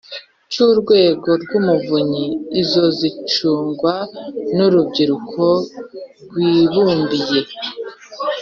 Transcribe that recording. Cy urwego rw umuvunyi izo cyber caf s zicungwa n urubyiruko rwibumbiye